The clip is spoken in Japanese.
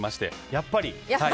やっぱり！